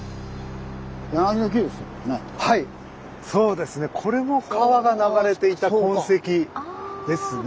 はいそうですねこれも川が流れていた痕跡ですね。